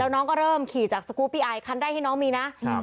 น้องก็เริ่มขี่จากสกูปปี้ไอคันแรกที่น้องมีนะครับ